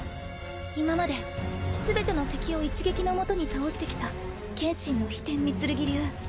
今まで全ての敵を一撃のもとに倒してきた剣心の飛天御剣流。